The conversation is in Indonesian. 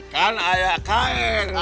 kan ada kain diu